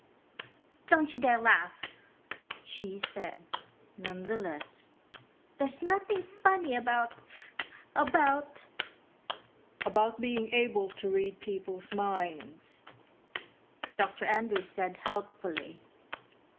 "Don't you dare laugh!" she said, nonetheless. "There's nothing funny about ... about...." "About being able to read people's minds," Dr Andrews said helpfully.